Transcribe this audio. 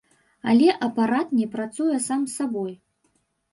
Але апарат не працуе сам сабой.